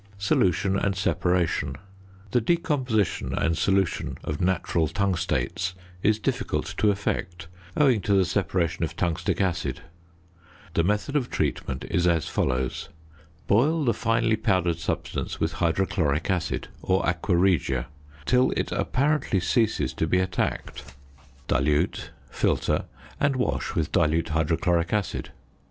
~Solution and Separation.~ The decomposition and solution of natural tungstates is difficult to effect owing to the separation of tungstic acid; the method of treatment is as follows: Boil the finely powdered substance with hydrochloric acid or aqua regia till it apparently ceases to be attacked; dilute, filter, and wash with dilute hydrochloric acid.